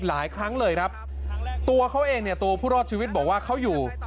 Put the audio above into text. หลายครั้งเลยครับตัวเขาเองเนี่ยตัวผู้รอดชีวิตบอกว่าเขาอยู่